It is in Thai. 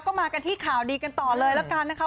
ก็มากันที่ข่าวดีกันต่อเลยแล้วกันนะคะ